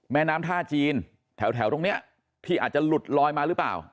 แม่น้ำท่าจีนแถวตรงนี้ที่อาจจะหลุดลอยมาหรือเปล่า